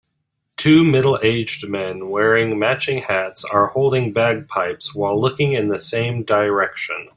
Two middleaged men wearing matching hats are holding bagpipes while looking in the same direction.